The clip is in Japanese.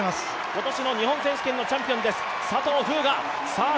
今年の日本選手権のチャンピオンです。